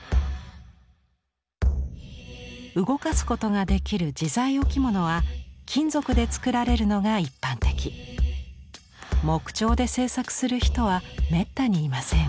動かすことができる自在置物は金属で作られるのが一般的木彫で制作する人はめったにいません。